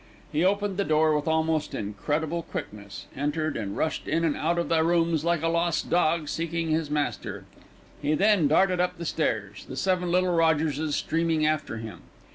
He opened the door with almost incredible quickness, entered and rushed in and out of the rooms like a lost dog seeking his master. He then darted up the stairs, the seven little Rogerses streaming after him.